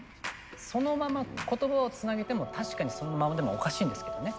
そのまま言葉をつなげても確かにそのままでもおかしいんですけどね。